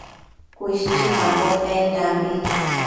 Cuishchipambo pendambi